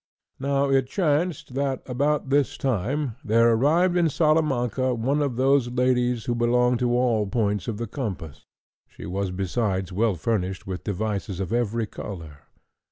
Now it chanced that, about this time, there arrived in Salamanca one of those ladies who belong to all the points of the compass; she was besides well furnished with devices of every colour.